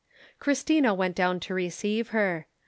Christina went down to receive her.